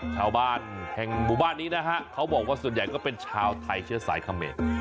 ชาวบ้านแห่งหมู่บ้านนี้นะฮะเขาบอกว่าส่วนใหญ่ก็เป็นชาวไทยเชื้อสายเขมร